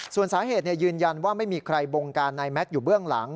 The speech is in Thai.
ส่วนสาเหตุยืนยันว่าไม่มีใครบงการนายแม็กซ์อยู่เบื้องหลัง